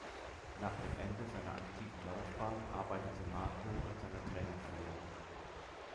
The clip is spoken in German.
Nach dem Ende seiner aktiven Laufbahn arbeitete Marko an seiner Trainerkarriere.